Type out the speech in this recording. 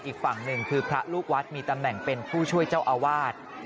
อีกฝั่งหนึ่งคือพระลูกวัดมีตำแหน่งเป็นผู้ช่วยเจ้าอาวาส